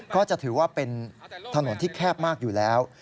ก็จะถือว่าเป็นถนนที่แคบมากอยู่แล้ว